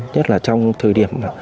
nhất là trong thời điểm